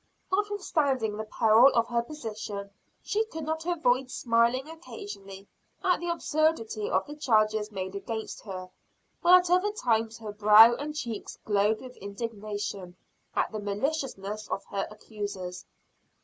Notwithstanding the peril of her position, she could not avoid smiling occasionally at the absurdity of the charges made against her; while at other times her brow and cheeks glowed with indignation at the maliciousness of her accusers.